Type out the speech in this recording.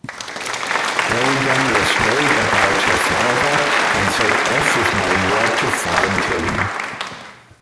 Erigone was worried about her father, and set off with Maera to find him.